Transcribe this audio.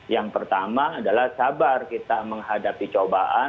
yang pertama adalah sabar kita menghadapi cobaan